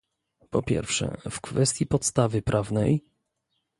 Po pierwsze w kwestii podstawy prawnej